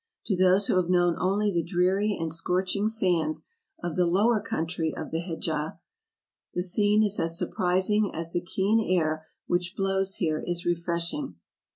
To those who have known only the dreary and scorching sands of the lower country of the Hedjah, the scene is as surpris ing as the keen air which blows here is refreshing.